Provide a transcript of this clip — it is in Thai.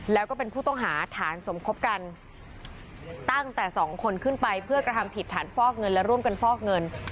แล้วก็เป็นผู้ต้องหาฐานสมคบกันตั้งแต่สองคนขึ้นไปเพื่อกระทำผิดฐานฟอกเงินและร่วมกันฟอกเงิน